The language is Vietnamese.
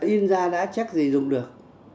in ra đã chắc gì dùng được